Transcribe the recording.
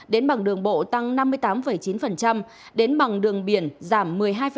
đến bằng đường bộ tăng năm mươi tám chín đến bằng đường biển giảm một mươi hai